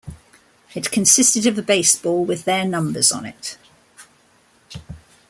It consisted of a baseball with their numbers on it.